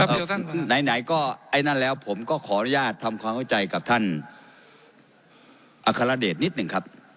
ไหนไหนก็ไอ้นั่นแล้วผมก็ขออนุญาตทำความเข้าใจกับท่านอัครเดชนิดหนึ่งครับ